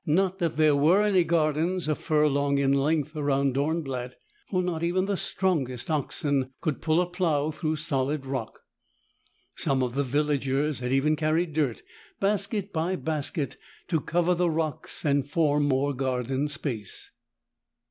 Not that there were any gardens a furlong in length around Dornblatt, for not even the strongest oxen could pull a plow through solid rock. Some of the villagers had even carried dirt, basket by basket, to cover the rocks and form more garden space.